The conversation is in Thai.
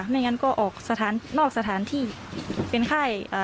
ไม่อย่างงั้นก็ออกสถานที่นอกสถานที่เป็นค่ายเอ่อ